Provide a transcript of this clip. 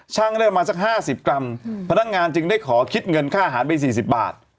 ได้ประมาณสัก๕๐กรัมพนักงานจึงได้ขอคิดเงินค่าอาหารไป๔๐บาท